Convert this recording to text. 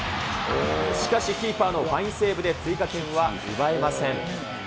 しかしキーパーのファインセーブで追加点は奪えません。